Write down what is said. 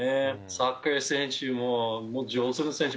サッカー選手も上手な選手